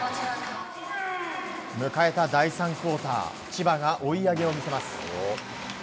迎えた第３クオーター千葉が追い上げを見せます。